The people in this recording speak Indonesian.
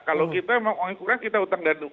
kalau kita mau mengikukan kita hutang dan dukang